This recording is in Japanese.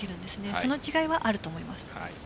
その違いはあると思います。